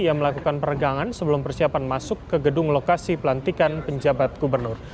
ia melakukan peregangan sebelum persiapan masuk ke gedung lokasi pelantikan penjabat gubernur